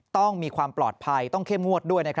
ต้องมีความปลอดภัยต้องเข้มงวดด้วย